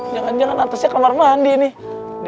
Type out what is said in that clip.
jangan jangan atasnya kamar mandi nih